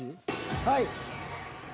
はい。